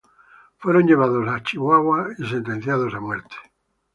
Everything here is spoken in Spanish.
Fueron llevados a Chihuahua y sentenciados a muerte.